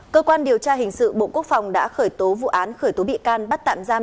cơ quan điều tra hình sự bộ quốc phòng đã khởi tố vụ án khởi tố bị can bắt tạm giam